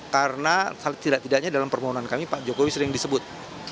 karena tidak tidaknya dalam permohonan kami pak jokowi sering disebut